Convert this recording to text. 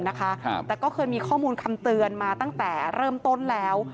แต่ก็เคยมีข้อมูลคำเตือนมาตั้งแต่เริ่มต้นแล้ว